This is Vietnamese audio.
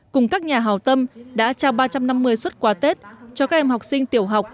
cùng các nhà hào tâm đã trao ba trăm năm mươi xuất quà tết cho các em học sinh tiểu học